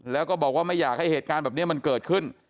แล้วก็บอกว่าไม่อยากให้เหตุการณ์แบบนี้มันเกิดขึ้น